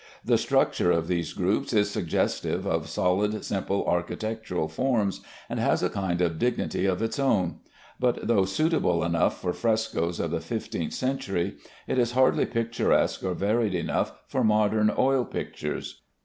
The structure of these groups is suggestive of solid simple architectural forms, and has a kind of dignity of its own; but though suitable enough for frescoes of the fifteenth century, it is hardly picturesque or varied enough for modern oil pictures.